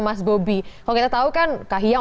mas bobby kalau kita tahu kan kayang